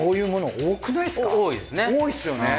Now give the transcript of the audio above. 多いですよね！